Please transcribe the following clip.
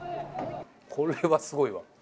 これはすごいわ。